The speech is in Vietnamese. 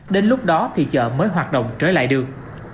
đến lúc đó thì chợ mới hoạt động trở lại được